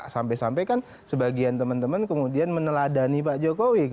sampai sampai kan sebagian teman teman kemudian meneladani pak jokowi